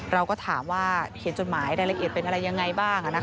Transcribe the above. เราก็ถามว่าเขียนจดหมายรายละเอียดเป็นอะไรยังไงบ้าง